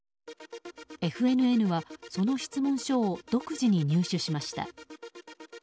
ＦＮＮはその質問書を独自に入手しました。